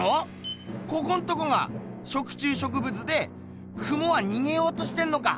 ここんとこが食虫植物でクモはにげようとしてんのか？